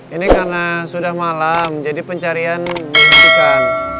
ini karena sudah malam jadi pencarian dihentikan